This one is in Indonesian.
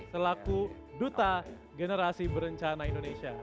selaku duta generasi berencana indonesia